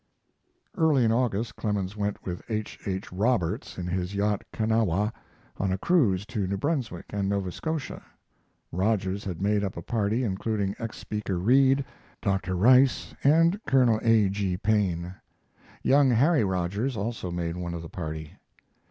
Early in August Clemens went with H. H. Rogers in his yacht Kanawha on a cruise to New Brunswick and Nova Scotia. Rogers had made up a party, including ex Speaker Reed, Dr. Rice, and Col. A. G. Paine. Young Harry Rogers also made one of the party.